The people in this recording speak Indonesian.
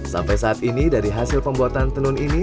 sampai saat ini dari hasil pembuatan tenun ini